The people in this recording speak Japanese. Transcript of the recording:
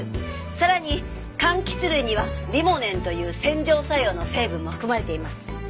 さらに柑橘類にはリモネンという洗浄作用の成分も含まれています。